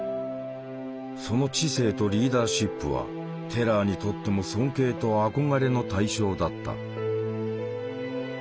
その知性とリーダーシップはテラーにとっても尊敬と憧れの対象だった。